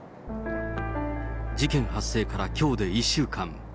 事件発生からきょうで１週間。